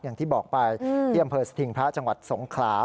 อย่างที่บอกไปที่อำเภอสถิงพระจังหวัดสงขลา